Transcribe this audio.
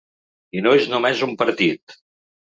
I no és només un partit